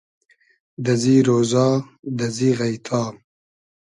دئزی رۉزا دئزی غݷتا